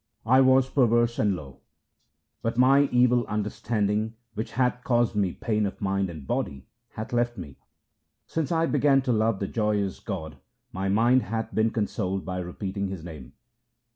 I was perverse and low, but my evil understanding which hath caused me pain of mind and body hath left me. Since I began to love the joyous God, my mind hath been consoled by repeating His name.